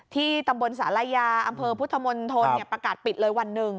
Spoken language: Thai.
ที่ตำบลศาลายาอำเภอพุทธมนตรประกาศปิดเลยวันหนึ่ง